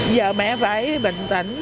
giờ mẹ phải bình tĩnh